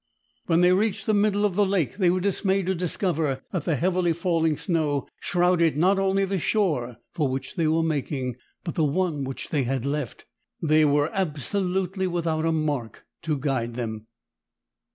When they reached the middle of the lake they were dismayed to discover that the heavily falling snow shrouded not only the shore for which they were making, but the one which they had left. They were absolutely without a mark to guide them.